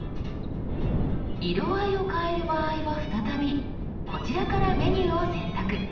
色合いを変える場合は再びこちらからメニューを選択。